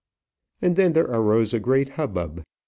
And then there arose a great hubbub.